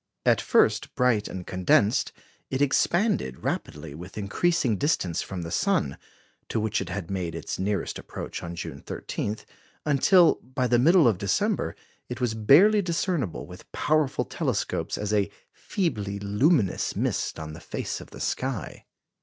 At first bright and condensed, it expanded rapidly with increasing distance from the sun (to which it had made its nearest approach on June 13), until, by the middle of December, it was barely discernible with powerful telescopes as "a feebly luminous mist on the face of the sky."